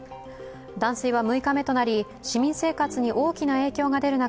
断水は６日目市民生活に大きな影響が出る中